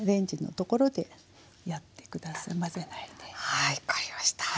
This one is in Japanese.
はい分かりました。